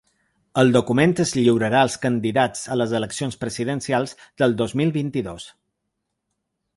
El document es lliurarà als candidats a les eleccions presidencials del dos mil vint-i-dos.